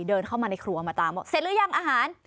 เดินเข้ามาในครัวมาตามบอกเสร็จหรือยังอาหาร